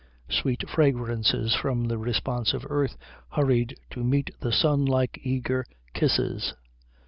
Sweet fragrances from the responsive earth hurried to meet the sun like eager kisses.